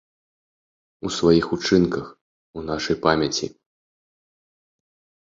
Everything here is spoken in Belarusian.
У сваіх учынках, у нашай памяці.